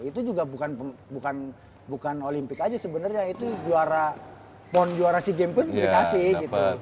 itu juga bukan olimpik aja sebenarnya itu juara pon juara sea games pun dikasih gitu